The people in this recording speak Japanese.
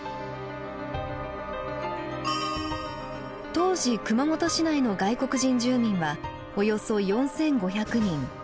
当時熊本市内の外国人住民はおよそ４，５００人。